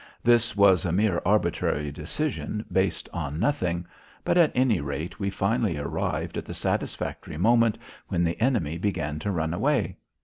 This was a mere arbitrary decision based on nothing. But at any rate we finally arrived at the satisfactory moment when the enemy began to run away.